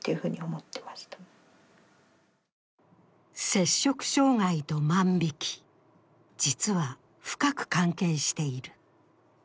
摂食障害と万引き、実は深く関係している。